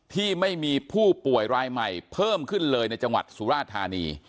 ที่ไม่มีผู้ป่วยรายใหม่เพิ่มขึ้นเลยในจังหวัดสุราธานี